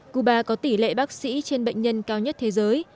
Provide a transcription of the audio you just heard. cuba có tỷ lệ bác sĩ trên bệnh nhân cao nhất thế giới